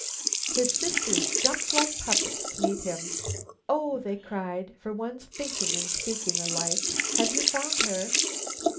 His sisters jumped like puppets to meet him. "O," they cried, for once thinking and speaking alike, "have you found her?"